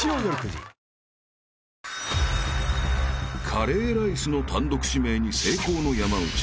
［カレーライスの単独指名に成功の山内］